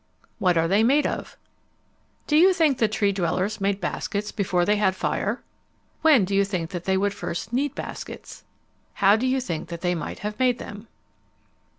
What are they made of? Do you think that the Tree dwellers made baskets before they had fire? When do you think that they would first need baskets? How do you think that they might have made them?